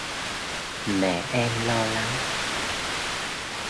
Mẹ em lo lắng